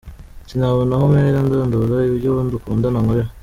Sinabona aho mpera ndondora ibyo uwo dukundana ankorera.